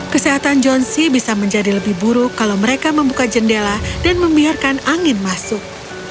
kesehatan johnsy bisa menjadi lebih buruk kalau mereka membuka jendela dan membiarkan angin masuk